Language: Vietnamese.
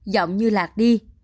giọng như lạc đi